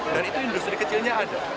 dan itu industri kecilnya ada